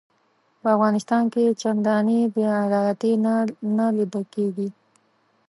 په افغانستان کې چنداني بې عدالتي نه لیده کیږي.